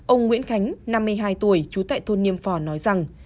ông nguyễn khánh năm mươi hai tuổi trú tại thôn niêm phò nói rằng